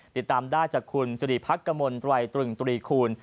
ติดตามได้จากคุณสิริพักกมลตรายตรึงตรีคูณ